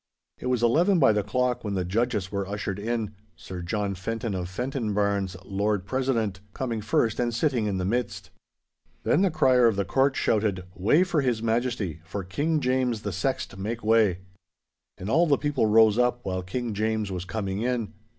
It was eleven by the clock when the judges were ushered in, Sir John Fenton of Fentonbarns, Lord President, coming first and sitting in the midst. Then the crier of the court shouted, 'Way for His Majesty—for King James the Sext make way!' And all the people rose up while King James was coming in.